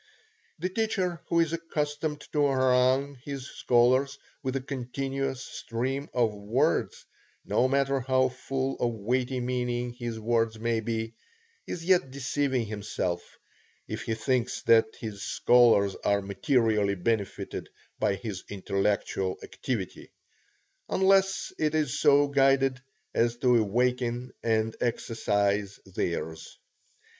The teacher who is accustomed to harangue his scholars with a continuous stream of words, no matter how full of weighty meaning his words may be, is yet deceiving himself, if he thinks that his scholars are materially benefited by his intellectual activity, unless it is so guided as to awaken and exercise theirs.